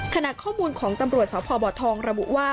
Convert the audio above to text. ขณะข้อมูลของตำรวจสพบทองระบุว่า